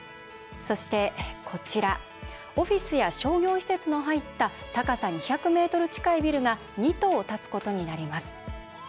そして、オフィスや商業施設の入った高さ２００ｍ近いビルが２棟建つことになります。